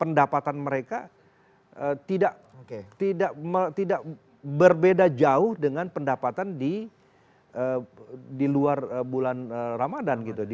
pendapatan mereka tidak berbeda jauh dengan pendapatan di luar bulan ramadhan gitu